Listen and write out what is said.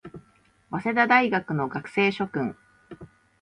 早稲田大学の学生諸君